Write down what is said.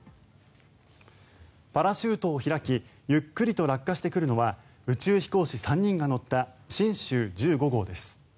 パラシュートを開きゆっくりと落下してくるのは宇宙飛行士３人が乗った神舟１５号です。